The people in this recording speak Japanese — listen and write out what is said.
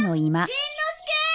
しんのすけー！